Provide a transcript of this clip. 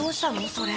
それ。